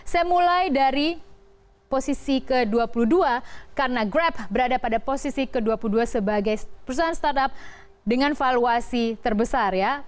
saya mulai dari posisi ke dua puluh dua karena grab berada pada posisi ke dua puluh dua sebagai perusahaan startup dengan valuasi terbesar ya